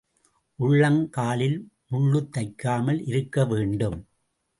உள்ளங் காலில் முள்ளுத் தைக்காமல் இருக்க வேண்டும்.